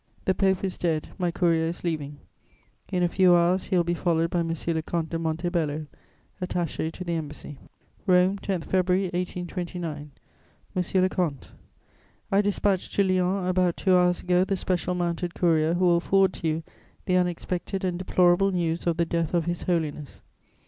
_ "The Pope is dead; my courier is leaving. In a few hours he will be followed by M. le Comte de Montebello, attaché to the Embassy." ROME, 10 February 1829. "MONSIEUR LE COMTE, I dispatched to Lyons, about two hours ago, the special mounted courier who will forward to you the unexpected and deplorable news of the death of His Holiness.